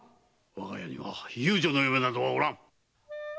我が家には遊女の嫁などはおらん。